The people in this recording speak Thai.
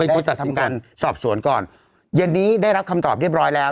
เป็นคนตัดสินก่อนทำการสอบสวนก่อนเย็นนี้ได้รับคำตอบเรียบร้อยแล้ว